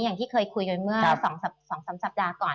อย่างที่เคยคุยกันเมื่อ๒๓สัปดาห์ก่อน